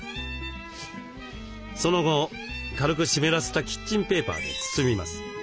その後軽く湿らせたキッチンペーパーで包みます。